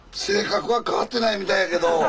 性格は変わってないみたいやけど。